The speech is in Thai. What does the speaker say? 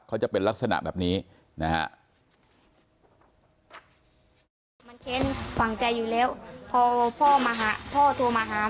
เขาจะเป็นลักษณะแบบนี้นะฮะ